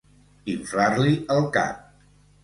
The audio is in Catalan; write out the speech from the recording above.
Inflar-li el cap.